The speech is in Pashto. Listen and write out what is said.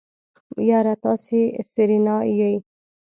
يره تاسې سېرېنا يئ.